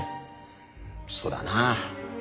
そうだな。